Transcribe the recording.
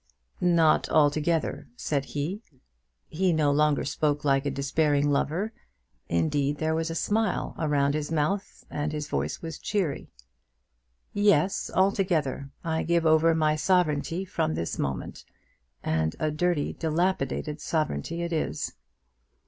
"Not altogether," said he. He no longer spoke like a despairing lover. Indeed there was a smile round his mouth, and his voice was cheery. "Yes; altogether. I give over my sovereignty from this moment; and a dirty dilapidated sovereignty it is."